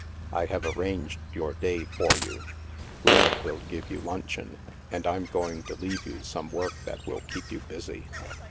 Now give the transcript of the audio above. " I have arranged your day for you. Lena will give you luncheon, and Fm going to leave you some work that will keep you busy."